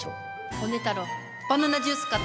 ホネ太郎バナナジュース買ってきて。